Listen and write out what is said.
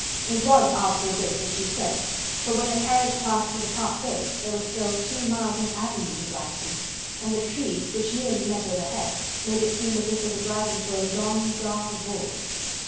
It was "after a bit," as she said, for when the carriage passed through the park gates there was still two miles of avenue to drive through and the trees (which nearly met overhead) made it seem as if they were driving through a long dark vault.